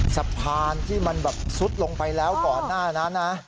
สะพานที่มันแบบซุดลงไปแล้วก่อนหน้านั้นนะ